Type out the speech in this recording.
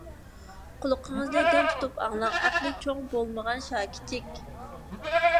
قۇلىقىڭىزنى دىڭ تۇتۇپ ئاڭلاڭ ئەقلى چوڭ بولمىغان شاكىچىك!